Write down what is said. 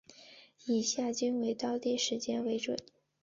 以下均为当地时间为准。